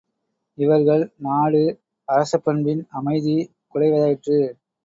இவர்கள் நாடு அரசப்பண்பின் அமைதி குலைவதாயிற்று.